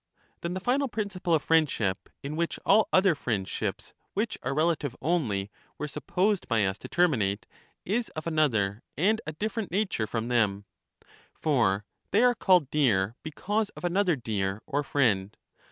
Then the final principle of friendship, in which all other friendships which are relative only were sup posed by us to terminate, is of another and a different nature from them. For they are called dear because of another dear or friend.